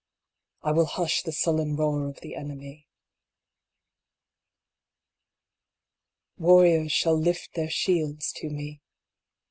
I will hush the sullen roar of the enemy. Warriors shall lift their shields to me.